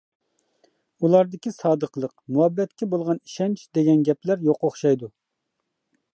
ئۇلاردىكى سادىقلىق، مۇھەببەتكە بولغان ئىشەنچ دېگەن گەپلەر يوق ئوخشايدۇ.